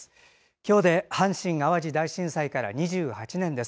今日で阪神・淡路大震災から２８年です。